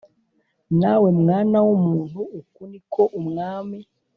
Nawe mwana w umuntu uku ni ko Umwami